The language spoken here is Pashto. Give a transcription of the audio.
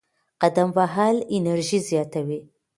قدم وهل انرژي زیاتوي.